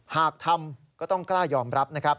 หากทำก็ต้องกล้ายอมรับ